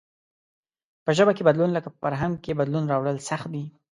په ژبه کې بدلون لکه په فرهنگ کې بدلون راوړل سخت دئ.